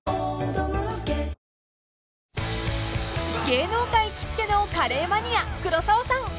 ［芸能界きってのカレーマニア黒沢さん］